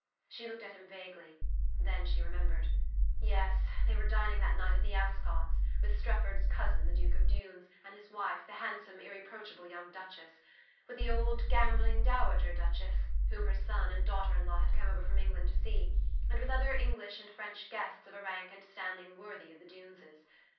She looked at him vaguely: then she remembered. Yes, they were dining that night at the Ascots', with Strefford's cousin, the Duke of Dunes, and his wife, the handsome irreproachable young Duchess; with the old gambling Dowager Duchess, whom her son and daughter in law had come over from England to see; and with other English and French guests of a rank and standing worthy of the Duneses.